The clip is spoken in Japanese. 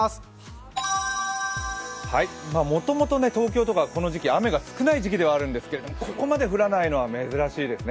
もともと東京とかこの時期、雨が少ない時期ではあるんですけど、ここまで降らないのは珍しいですね。